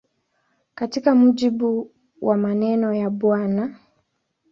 Katika mujibu wa maneno ya Bw.